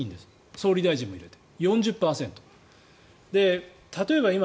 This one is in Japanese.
総理大臣も入れて。